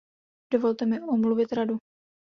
Dovolte mi omluvit Radu.